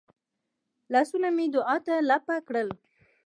لاسونه مې دعا ته لپه کړل.